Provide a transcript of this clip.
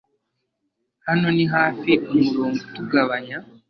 Hano ni hafi umurongo utugabanya